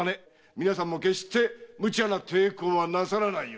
皆さんも決して無茶な抵抗はなさらないように。